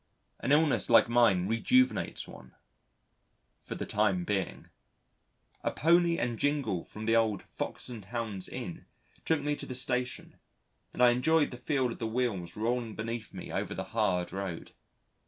An illness like mine rejuvenates one for the time being! A pony and jingle from the old "Fox and Hounds Inn" took me to the Station, and I enjoyed the feel of the wheels rolling beneath me over the hard road.